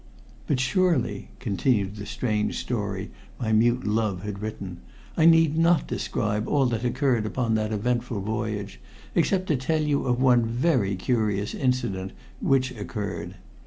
"But surely," continued the strange story my mute love had written, "I need not describe all that occurred upon that eventful voyage, except to tell you of one very curious incident which occurred.